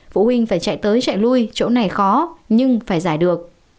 phụ huynh phải chạy tới chạy lui chỗ này khó nhưng phải giải được